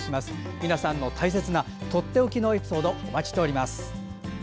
皆さんの大切なとっておきのエピソードをお待ちしています。